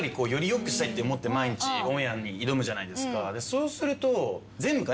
そうすると。